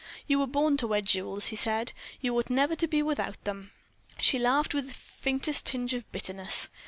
"You were born to wear jewels," he said. "You ought never to be without them." She laughed with the faintest tinge of bitterness.